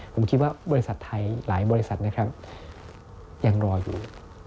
ผมคิดว่าบริษัทไทยหลายบริษัทนะครับยังรออยู่